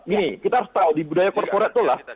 gini kita harus tahu di budaya korporate tuh lah